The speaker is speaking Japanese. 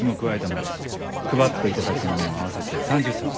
配っていただくものも合わせて３０冊。